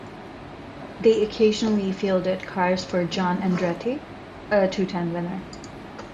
They occasionally fielded cars for John Andretti, a two-time winner.